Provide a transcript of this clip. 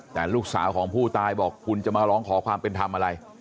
แต่ลูกสาวของผู้ตายบอกคุณจะมาร้องขอความเป็นธรรมอะไร